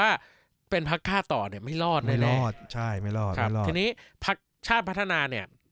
ว่าเป็นพักค่าต่อไม่รอดนั่นเนี่ยไม่รอดอ่ะครับคือนี้ชาติพัฒนาเนี่ย